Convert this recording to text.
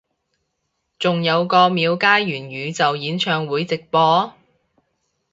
仲有個廟街元宇宙演唱會直播？